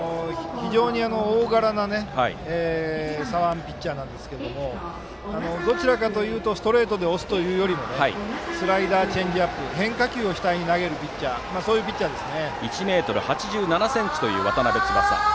非常に大柄な左腕ピッチャーですがどちらかというとストレートで押すよりもスライダー、チェンジアップ変化球を主体に投げる１ｍ８７ｃｍという渡邉翼です。